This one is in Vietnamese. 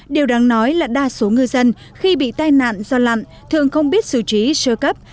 điều đáng nói là đa số ngư dân khi bị tai nạn do lặn thường không biết xử trí sơ cấp